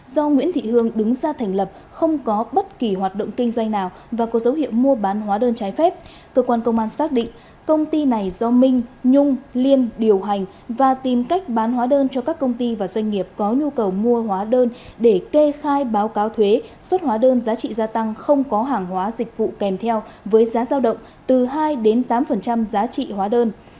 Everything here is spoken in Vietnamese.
do nguyễn thị hương đứng ra thành lập không có bất kỳ hoạt động kinh doanh nào và có dấu hiệu mua bán hóa đơn trái phép cơ quan công an xác định công ty này do minh nhung liên điều hành và tìm cách bán hóa đơn cho các công ty và doanh nghiệp có nhu cầu mua hóa đơn để kê khai báo cáo thuế xuất hóa đơn giá trị gia tăng không có hàng hóa dịch vụ kèm theo với giá giao động từ hai tám giá trị hóa đơn